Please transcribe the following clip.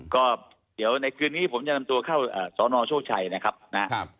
ก็เดี๋ยวในคืนนี้ผมจะนำตัวเข้าสนโชคชัยนะครับนะครับ